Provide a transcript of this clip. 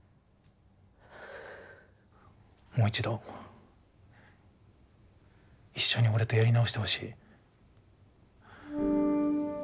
もう一度一緒に俺とやり直してほしい。